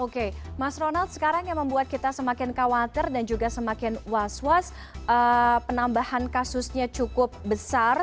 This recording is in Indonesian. oke mas ronald sekarang yang membuat kita semakin khawatir dan juga semakin was was penambahan kasusnya cukup besar